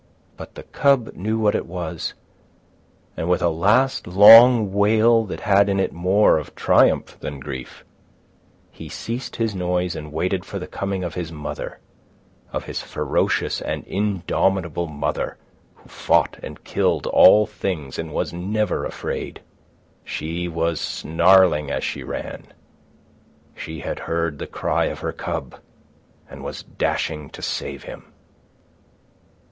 But the cub knew what it was, and with a last, long wail that had in it more of triumph than grief, he ceased his noise and waited for the coming of his mother, of his ferocious and indomitable mother who fought and killed all things and was never afraid. She was snarling as she ran. She had heard the cry of her cub and was dashing to save him.